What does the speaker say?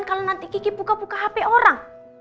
kalau nanti kiki buka buka hp orang